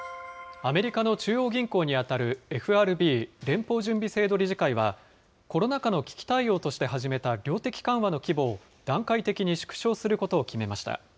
アメリカの中央銀行に当たるＦＲＢ・連邦準備制度理事会は、コロナ禍の危機対応として始めた量的緩和の規模を段階的に縮小することを決めました。